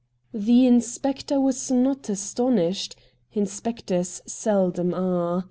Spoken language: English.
The inspector was not astonished. Inspec tors seldom are.